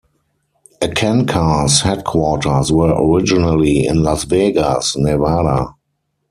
Eckankar's headquarters were originally in Las Vegas, Nevada.